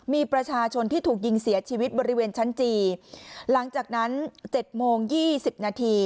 มีประชาชนที่ถูกยิงเสียชีวิตบริเวณชั้นจีหลังจากนั้นเจ็ดโมงยี่สิบนาที